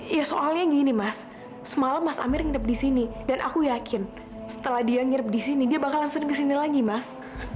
ya soalnya gini mas semalam mas amir nginep disini dan aku yakin setelah dia nginep disini dia bakal langsung kesini lagi mas